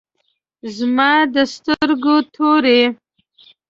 زما د سترګو تور یی